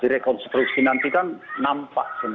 di rekonstruksi nanti kan nampak semua itu